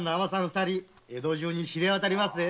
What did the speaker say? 二人江戸中に知れわたりますぜ。